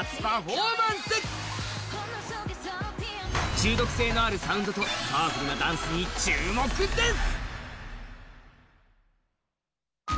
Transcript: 中毒性のあるサウンドとパワフルなダンスに注目です。